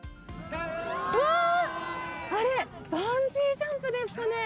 うわー、あれ、バンジージャンプですかね。